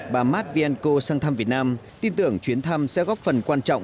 bà matt vienco sang thăm việt nam tin tưởng chuyến thăm sẽ góp phần quan trọng